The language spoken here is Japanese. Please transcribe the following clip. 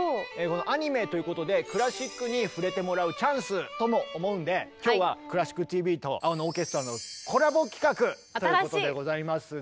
アニメということでクラシックに触れてもらうチャンスとも思うんで今日は「クラシックＴＶ」と「青のオーケストラ」のコラボ企画ということでございますね。